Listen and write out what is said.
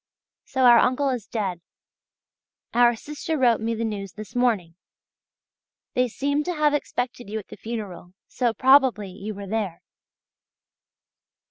So our uncle is dead! Our sister wrote me the news this morning. They seem to have expected you at the funeral, so probably you were there.